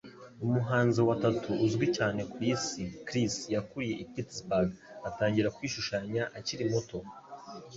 Umuhanzi wa tattoo uzwi cyane ku isi, Chris yakuriye i Pittsburgh atangira kwishushanya akiri muto.